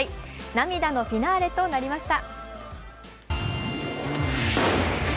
涙のフィナーレとなりました。